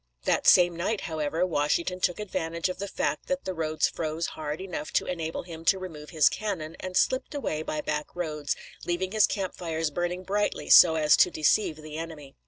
That same night, however, Washington took advantage of the fact that the roads froze hard enough to enable him to remove his cannon, and slipped away by back roads, leaving his camp fires burning brightly so as to deceive the enemy.